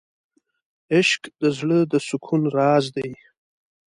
عشق د زړه د سکون راز دی.